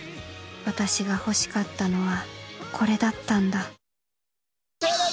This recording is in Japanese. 私が欲しかったのはこれだったんだ。